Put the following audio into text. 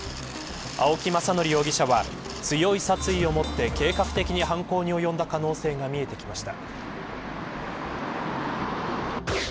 青木政憲容疑者は強い殺意を持って計画的に犯行に及んだ可能性が見えてきました。